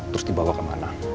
terus dibawa kemana